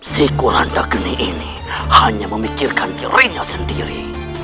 si korantagini ini hanya memikirkan dirinya sendiri